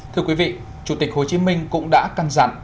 thưa quý vị chủ tịch hồ chí minh cũng đã căng dặn